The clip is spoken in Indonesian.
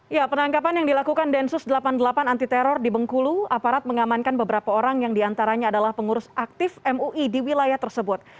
ya penangkapan yang dilakukan densus delapan puluh delapan anti teror di bengkulu aparat mengamankan beberapa orang yang diantaranya adalah pengurus aktif mui di wilayah tersebut